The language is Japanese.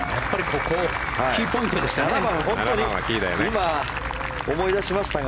キーポイントでしたね。